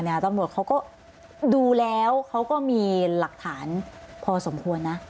ตำรวจเขาก็ดูแล้วเขาก็มีหลักฐานพอสมควรนะ